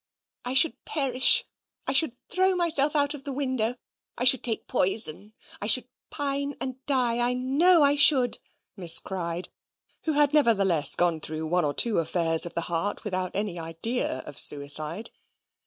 "I should perish I should throw myself out of window I should take poison I should pine and die. I know I should," Miss cried, who had nevertheless gone through one or two affairs of the heart without any idea of suicide.